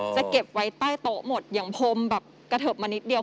จะเก็บไว้ใต้โต๊ะหมดอย่างพรมแบบกระเทิบมานิดเดียว